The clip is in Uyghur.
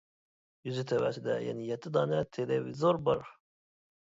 يېزا تەۋەسىدە يەنە يەتتە دانە تېلېۋىزور بار.